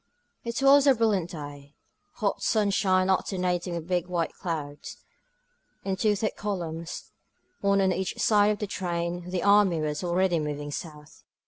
.•• It was a brilliant day, hot sunshine alternating with big white clouds. In two thick columns, one on each side of the train, the army was already moving south.